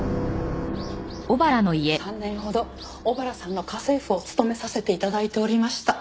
３年ほど尾原さんの家政婦を務めさせて頂いておりました。